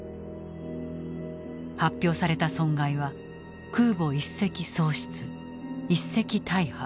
発表された損害は空母１隻喪失１隻大破。